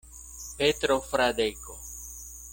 Petro Fradeko.